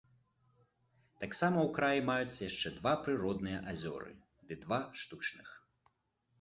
Таксама ў краі маюцца яшчэ два прыродныя азёры, ды два штучных.